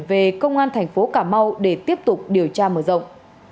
về công an thành phố cà mau để tiếp tục điều tra mở rộng